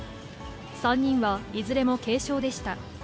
３人はいずれも軽傷でした。